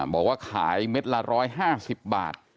บอกว่าขายเม็ดละ๑๕๐บาท